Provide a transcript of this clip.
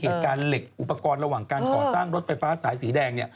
เหตุการณ์เหล็กอุปกรณ์ระหว่างการก่อสร้างรถไฟฟ้าสายสีแดง